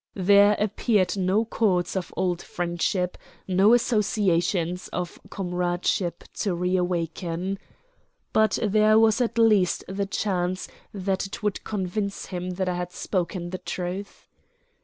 There appeared no chords of old friendship, no associations of comradeship to reawaken. But there was at least the chance that it would convince him I had spoken the truth.